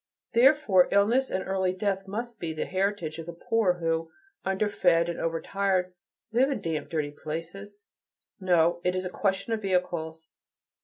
Therefore illness and early death must be the heritage of the poor who, underfed and overtired, live in damp and dirty places? No. It is a question of vehicles.